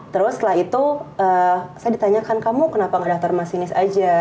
terus setelah itu saya ditanyakan kamu kenapa nggak daftar masinis aja